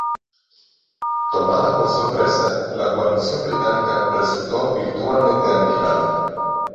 Tomada por sorpresa, la guarnición británica resultó virtualmente aniquilada.